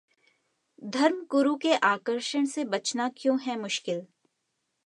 धर्मगुरु के आकर्षण से बचना क्यों है मुश्किल!